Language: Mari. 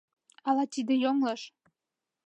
— Ала тиде йоҥылыш...